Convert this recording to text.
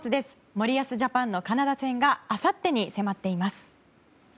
森保ジャパンのカナダ戦があさってに迫っています。